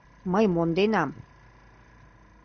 Мый монденам...